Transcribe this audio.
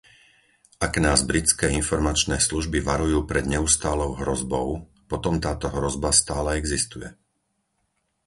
Ak nás britské informačné služby varujú pred neustálou hrozbou, potom táto hrozba stále existuje.